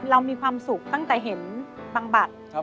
เรามีความสุขตั้งแต่เห็นบำบัด